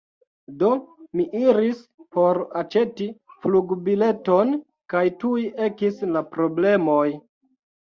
Do mi iris por aĉeti flugbileton, kaj tuj ekis la problemoj.